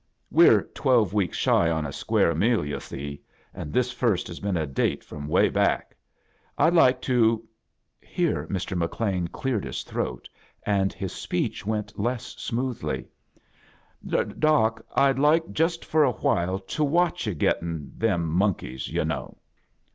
We're twelve weeka shy on a square meal, yo* see, and this first has been a date from 'way back. Fd like to —" Here Hr. McLean cleared his throat, and his speech went less smoothly. "Doc, I'd like Jtist for a while to watch yu' gettin' — them monkeys, yci' know."